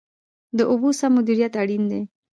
د اوبو سم مدیریت اړین دی